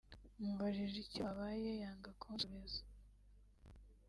mubajije icyo babaye yanga kunsubiza